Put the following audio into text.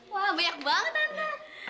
wah banyak banget tante